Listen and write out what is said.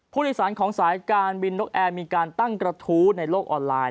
ผู้โดยสารของสายการบินนกแอร์มีการตั้งกระทู้ในโลกออนไลน์